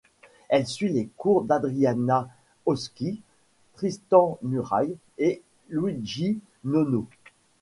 Elle suit les cours d'Adriana Hölszky, Tristan Murail et Luigi Nono.